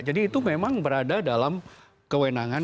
jadi itu memang berada dalam kewenangan